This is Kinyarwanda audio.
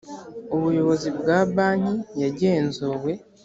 ubuyobozi bwa banki yagenzuwe